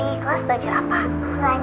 oh terus tadi di kelas belajar apa